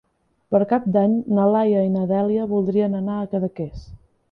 Per Cap d'Any na Laia i na Dèlia voldrien anar a Cadaqués.